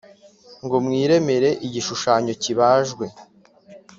ngo mwiremere igishushanyo kibajwe,